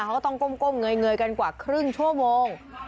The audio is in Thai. เขาก็ต้องก้มเงยกันกว่าครึ่งชั่วโมง